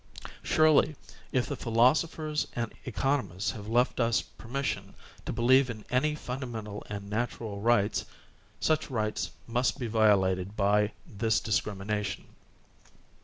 Surely, if the philosophers and economists have left us permission to believe in any fundamental and natural rights, such rights must be violated by this discrimination.